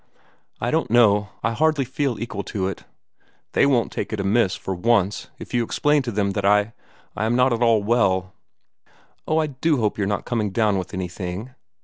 "I don't know I hardly feel equal to it. They won't take it amiss for once if you explain to them that I I am not at all well." "Oh, I do hope you're not coming down with anything!"